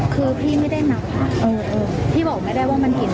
คือพี่ไม่ได้หนักค่ะพี่บอกไม่ได้ว่ามันเห็น